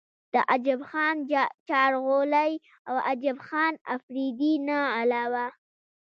د عجب خان چارغولۍ او عجب خان افريدي نه علاوه